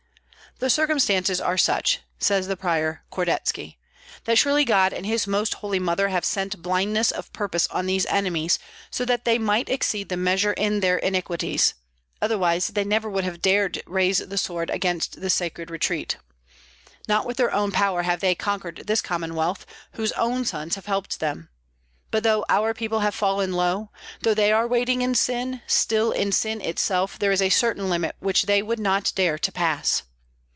"The circumstances are such," said the prior, Kordetski, "that surely God and His Most Holy Mother have sent blindness of purpose on these enemies, so that they might exceed the measure in their iniquities; otherwise they never would have dared to raise the sword against this sacred retreat. Not with their own power have they conquered this Commonwealth, whose own sons have helped them. But though our people have fallen low, though they are wading in sin, still in sin itself there is a certain limit which they would not dare to pass.